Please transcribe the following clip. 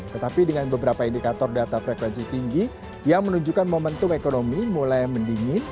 tetapi dengan beberapa indikator data frekuensi tinggi yang menunjukkan momentum ekonomi mulai mendingin